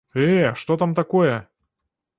Э, што там такое!